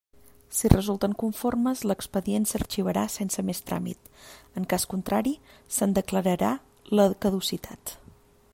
Si resulten conformes, l'expedient s'arxivarà sense més tràmit; en cas contrari se'n declararà la caducitat.